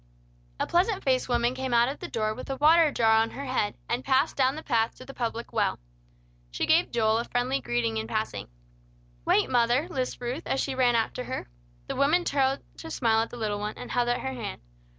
A pleasant faced woman came out of the door with a water jar on her head, and passed down the path to the public well. She gave Joel a friendly greeting in passing. "Wait, mother!" lisped Ruth, as she ran after her. The woman turned to smile at the little one, and held out her hand.